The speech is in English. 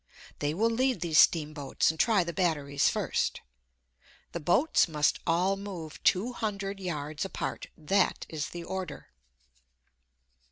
They will lead these steamboats and try the batteries first. The boats must all move two hundred yards apart. That is the order.